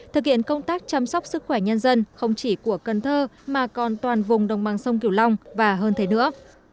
thực hiện công tác chăm sóc sức khỏe nhân dân không chỉ của cần thơ mà còn toàn vùng đồng bằng sông kiều long và hơn thế nữa